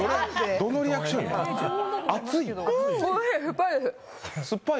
どのリアクションなん？